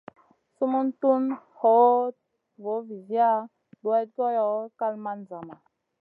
Sumun tun hoɗ voo viziya duwayd goyo, kal man zama.